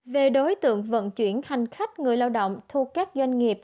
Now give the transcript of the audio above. về đối tượng vận chuyển hành khách người lao động thu các doanh nghiệp